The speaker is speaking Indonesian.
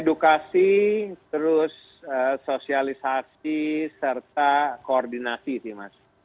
edukasi terus sosialisasi serta koordinasi sih mas